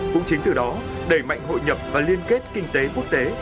cũng chính từ đó đẩy mạnh hội nhập và liên kết kinh tế quốc tế